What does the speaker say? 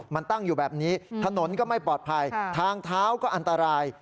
มันตั้งอยู่แบบนี้ถนนก็ไม่ปลอดภัยทางเท้าก็อันตราย